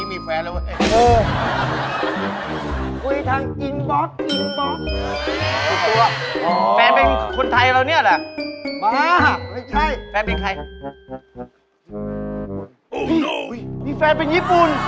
มีแฟนเป็นญี่ปุ่น